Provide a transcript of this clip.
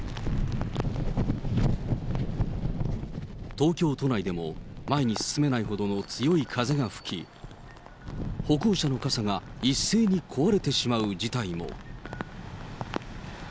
東京都内でも、前に進めないほどの強い風が吹き、歩行者の傘が一斉に壊れてしまう事態も。